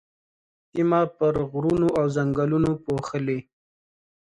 سيمه پر غرونو او ځنګلونو پوښلې.